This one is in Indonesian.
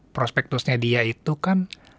prospektusnya dia itu kan